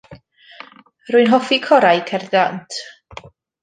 Rwy'n hoffi corau cerdd dant.